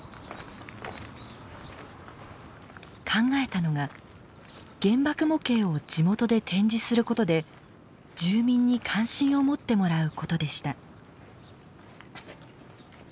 考えたのが原爆模型を地元で展示することで住民に関心を持ってもらうことでした。